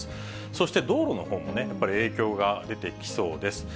そして道路のほうもね、やっぱり影響が出てきそうです。